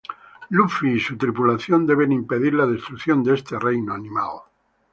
Luffy y su tripulación deben impedir la destrucción de este reino animal.